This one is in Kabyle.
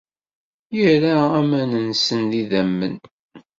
Irra aman-nsen d idammen.